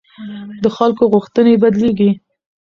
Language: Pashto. د خلکو غوښتنې بدلېږي